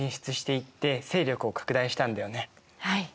はい。